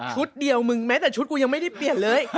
เดียวมึงแม้แต่ชุดกูยังไม่ได้เปลี่ยนเลย